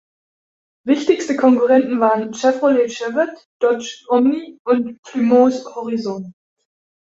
Wichtigste Konkurrenten waren Chevrolet Chevette, Dodge Omni und Plymouth Horizon.